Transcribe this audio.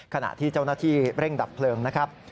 ขณะที่เจ้าหน้าที่เร่งดับเพลิงนะครับ